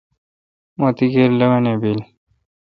مہ تی کیر لاوینہ بیل۔